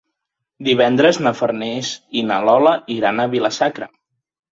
Divendres na Farners i na Lola iran a Vila-sacra.